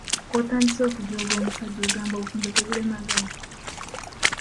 "K'otandise okujooga omusajja, obufumbo ogamba tebulemaganye?"